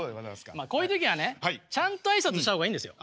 まあこういう時はねちゃんと挨拶した方がいいんですよ。